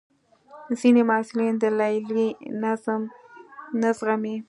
ځینې محصلین د لیلیې نظم نه زغمي.